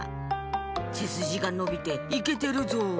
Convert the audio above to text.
『せすじがのびていけてるぞ！』